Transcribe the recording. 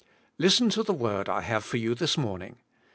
Listen to the word I have for you this morning".